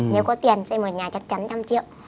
nếu có tiền xây một nhà chắc chắn một trăm linh triệu